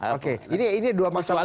oke ini dua masalah